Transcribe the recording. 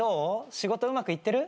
仕事うまくいってる？